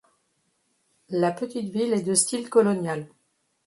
La petite ville est de style colonial.